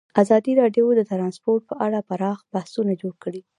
ازادي راډیو د ترانسپورټ په اړه پراخ بحثونه جوړ کړي.